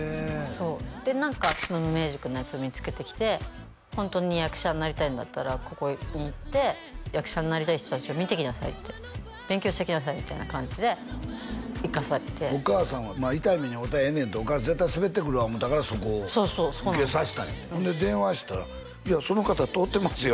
そうで何か無名塾のやつを見つけてきてホントに役者になりたいんだったらここに行って役者になりたい人達を見てきなさいって勉強してきなさいみたいな感じで行かされてお母さんは「痛い目に遭うたらええねん」と絶対スベってくるわ思ったからそこを受けさせたんやってほんで電話したら「いやその方通ってますよ」